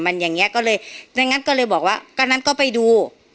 มันอย่างเงี้ยก็เลยไม่งั้นก็เลยบอกว่าก็งั้นก็ไปดู